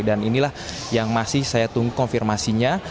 dan inilah yang masih saya tunggu konfirmasinya